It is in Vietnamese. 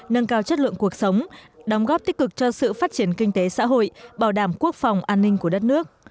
nâng cao chất lượng cuộc sống đóng góp tích cực cho sự phát triển kinh tế xã hội bảo đảm quốc phòng an ninh của đất nước